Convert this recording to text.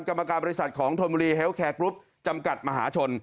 กรรมการบริษัทของธนบุรีเฮลแคร์กรุ๊ปจำกัดมหาชน